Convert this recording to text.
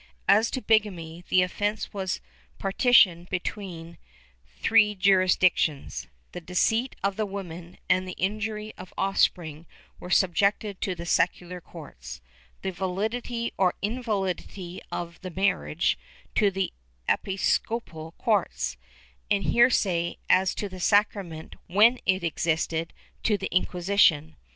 As to bigamy, the offence was partitioned between three juris dictions; the deceit of the woman and the injury of offspring were subjected to the secular courts; the validity or invalidity of the marriage, to the episcopal courts; and heresy as to the sacrament, when it existed, to the Inquisition.